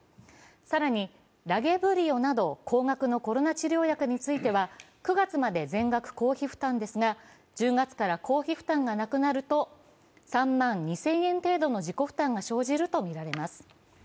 更に、ラゲブリオなど高額のコロナ治療薬については９月まで全額公費負担ですが１０月から公費負担がなくなると３万２０００円程度の自己負担が生じるとみられます。